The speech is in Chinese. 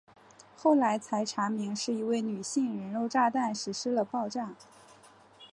后来才查明是一位女性人肉炸弹实施了爆炸。